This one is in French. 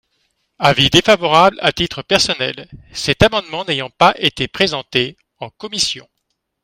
Avis défavorable à titre personnel, cet amendement n’ayant pas été présenté en commission.